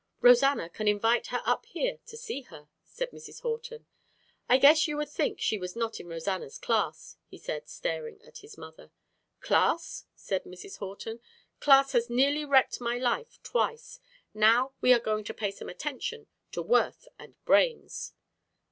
"Rosanna can invite her up here to see her," said Mrs. Horton. "I guess you would think she was not in Rosanna's class," he said, staring at his mother. "Class?" said Mrs. Horton. "Class has nearly wrecked my life twice; now we are going to pay some attention to worth and brains."